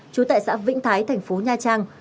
trú tại xã vĩnh thái thành phố nha trang